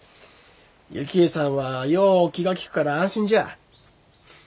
雪衣さんはよう気が利くから安心じゃ。